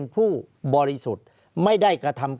ภารกิจสรรค์ภารกิจสรรค์